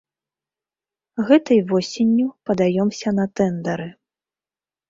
Гэтай восенню падаёмся на тэндары.